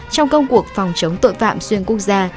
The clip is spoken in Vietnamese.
trong công cuộc phòng chống tội phạm xuyên quốc gia